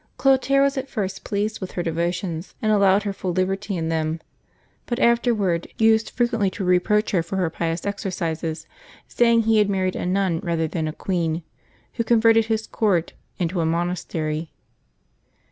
Clotaire was at first pleased with her de votions, and allowed her full liberty in them, but afterward used frequently to reproach her for her pious exercises, saying he had married a nun rather than a queen, who converted his court into a monastery.